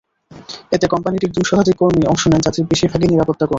এতে কোম্পানিটির দুই শতাধিক কর্মী অংশ নেন, যাঁদের বেশির ভাগই নিরাপত্তাকর্মী।